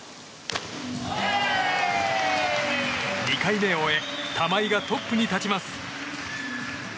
２回目を終え玉井がトップに立ちます。